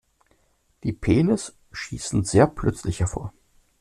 Die Penes schießen sehr plötzlich hervor.